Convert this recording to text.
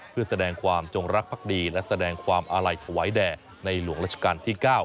เพื่อแสดงความจงรักภักดีและแสดงความอาลัยถวายแด่ในหลวงราชการที่๙